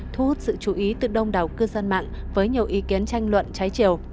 thu hút sự chú ý từ đông đảo cư dân mạng với nhiều ý kiến tranh luận trái chiều